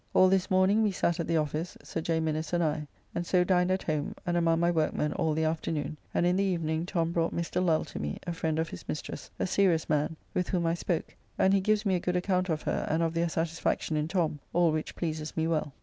All this morning we sat at the office, Sir J. Minnes and I. And so dined at home, and among my workmen all the afternoon, and in the evening Tom brought Mr. Lull to me, a friend of his mistress, a serious man, with whom I spoke, and he gives me a good account of her and of their satisfaction in Tom, all which pleases me well.